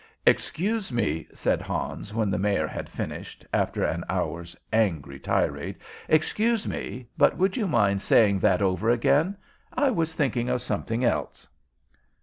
"Excuse me," said Hans, when the Mayor had finished, after an hour's angry tirade "excuse me, but would you mind saying that over again? I was thinking of something else."